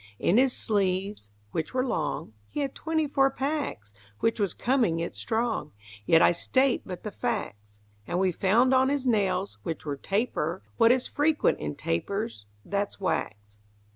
In his sleeves, which were long, He had twenty four packs, Which was coming it strong, Yet I state but the facts; And we found on his nails, which were taper, What is frequent in tapers that's wax.